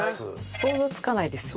想像つかないですね。